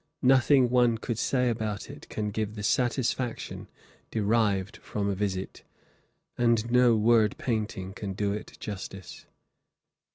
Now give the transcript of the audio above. Nothing one could say about it can give the satisfaction derived from a visit, and no word painting can do it justice.